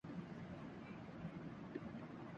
اس cycle کو مرمت کی ضرورت ہے